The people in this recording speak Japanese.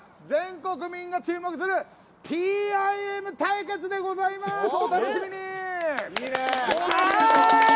全国民が注目するＴＩＭ対決でございます。